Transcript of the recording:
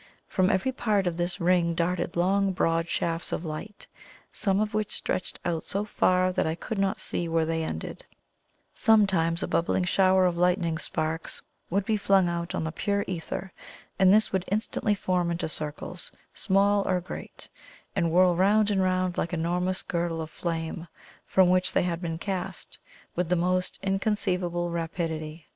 From every part of this Ring darted long broad shafts of light, some of which stretched out so far that I could not see where they ended; sometimes a bubbling shower of lightning sparks would be flung out on the pure ether, and this would instantly form into circles, small or great, and whirl round and round the enormous girdle of flame from which they had been cast, with the most inconceivable rapidity.